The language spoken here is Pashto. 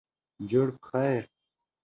جوړ پخیر